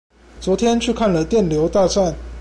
昨天去看了電流大戰